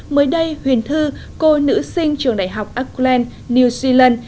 mới đây huyền thư cô nữ sinh trường đại học acland new zealand